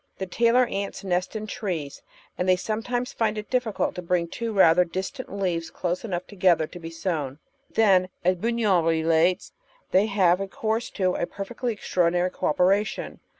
The tailor ants nest in trees, and they sometimes find it difficult to bring two rather distant leaves close enough together to be sewn. Then, as Bugnion relates, they have recoinrse to a perfectly extraordinary co operation.